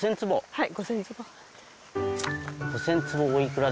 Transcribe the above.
はい。